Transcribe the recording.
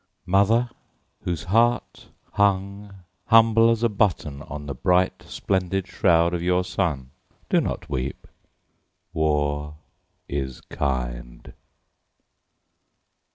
Mother whose heart hung humble as a button On the bright splendid shroud of your son, Do not weep. War is kind.